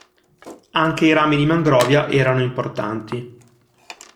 Anche i rami di mangrovia erano importanti.